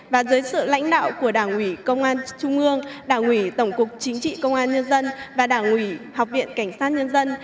và dưới sự lãnh đạo của đảng ủy công an trung ương đảng ủy tổng cục chính trị công an nhân dân và đảng ủy học viện cảnh sát nhân dân